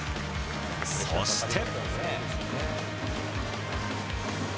そして。